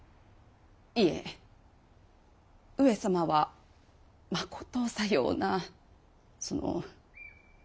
いえ上様はまことさようなその酒などと。